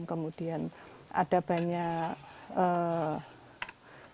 kemudian ada perkebunan yang hilang